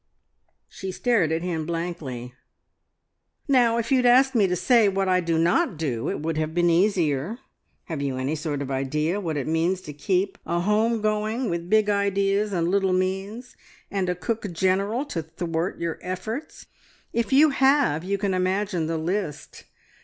She stared at him blankly. "Now, if you'd asked me to say what I do not do, it would have been easier. Have you any sort of idea what it means to keep a home going with big ideas and little means, and a cook general to thwart your efforts? If you have, you can imagine the list.